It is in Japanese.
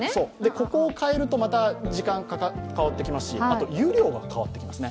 ここを変えるとまた時間、変わってきますしあと湯量が変わってきますね。